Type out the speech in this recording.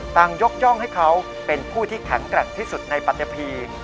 ยกย่องให้เขาเป็นผู้ที่แข็งแกร่งที่สุดในปัตยพี